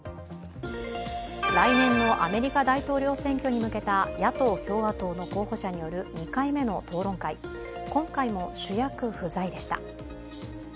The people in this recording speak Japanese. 来年のアメリカ大統領選挙に向けた野党・共和党の候補者による２回目の討論会、今回も主役不在でした。